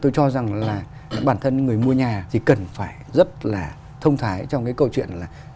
tôi cho rằng là bản thân người mua nhà thì cần phải rất là thông thái trong cái câu chuyện là